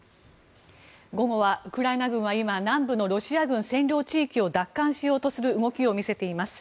午後は、ウクライナ軍は今南部のロシア軍占領地域を奪還しようとする動きを見せています。